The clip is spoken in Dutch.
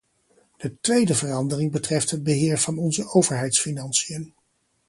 De tweede verandering betreft het beheer van onze overheidsfinanciën.